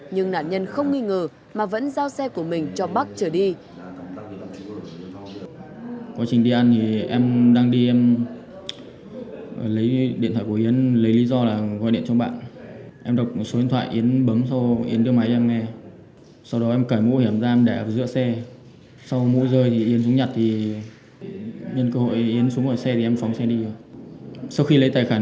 nhưng nạn nhân không nghi ngờ mà vẫn giao xe của mình cho bắc chở đi